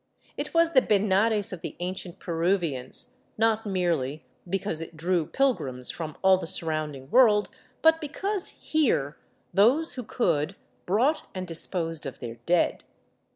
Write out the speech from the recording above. It was the Benares of the ancient Peruvians, not merely because it drew pilgrims from all the surrounding world, but because here those who could brought and disposed of their dead.